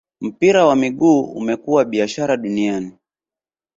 mpira wa miguu umekuwa biashara duaniani